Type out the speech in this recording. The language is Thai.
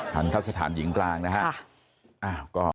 ทางทัศน์หญิงกลางนะฮะ